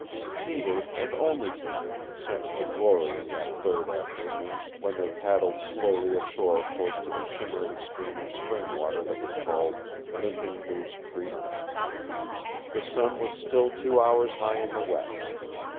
Peter, and only Peter, sensed the glory of that third afternoon when they paddled slowly ashore close to the shimmering stream of spring water that was called Limping Moose Creek. The sun was still two hours high in the west.